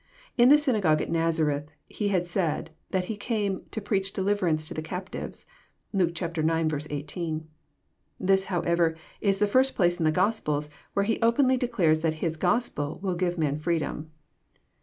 In the synagogue at Nazareth He had said, thai He came " to preach deliverance to the captives." (Luke iv. 18.) This, however, is the first place in the Gospels where He openly declares that His Gospel will give men freedom.